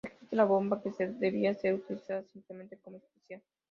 Describía la bomba que debía ser utilizada simplemente como "especial".